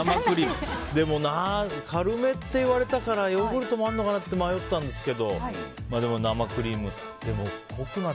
でもな、軽めっていうからヨーグルトもあるかなって迷ったんですけどでも生クリーム。